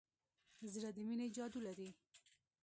زړه د مینې جادو لري.